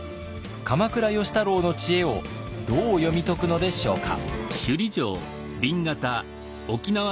鎌倉芳太郎の知恵をどう読み解くのでしょうか。